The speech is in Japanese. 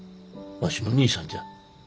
わしの兄さんじゃ。